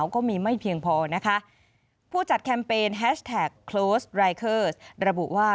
ก็มีไม่เพียงพอนะคะผู้จัดแคมเปญแฮชแท็กโค้ชรายเคอร์สระบุว่า